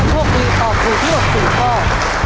ถูกดีตอบถูกที่๖สี่ข้อ